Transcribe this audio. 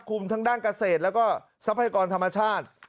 คุมทั้งด้านเกษตรแล้วก็ทรัพยากรธรรมชาติ